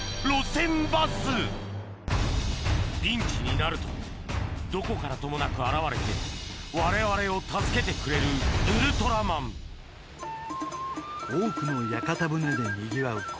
路線バスピンチになるとどこからともなく現れてわれわれを助けてくれるウルトラマン多くの屋形船でにぎわう